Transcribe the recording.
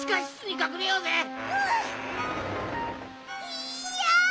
いや！